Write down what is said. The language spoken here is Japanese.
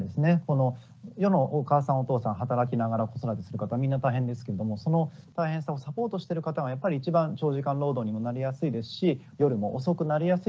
この世のお母さんお父さん働きながら子育てする方みんな大変ですけれどもその大変さをサポートしてる方がやっぱり一番長時間労働にもなりやすいですし夜も遅くなりやすいですよね。